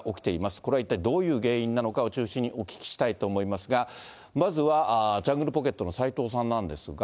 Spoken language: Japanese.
これは一体どういう原因なのかを中心にお聞きしたいと思いますが、まずはジャングルポケットの斉藤さんなんですが。